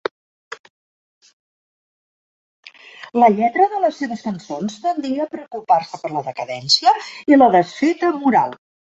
La lletra de les seves cançons tendia a preocupar-se per la decadència i la desfeta moral.